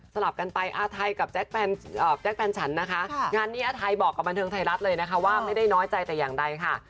ลับกันไปอาทัยกับแจ๊คแฟนฉันนะคะงานนี้อาทัยบอกกับบันเทิงไทยรัฐเลยนะคะว่าไม่ได้น้อยใจแต่อย่างใดค่ะ